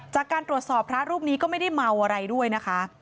จากการตรวจสอบพระรูปนี้ก็ไม่ได้เมาอะไรด้วยนะคะ